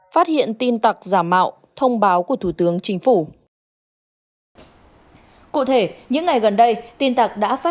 phát hiện tin tặc giả mạo thông báo của thủ tướng chính phủ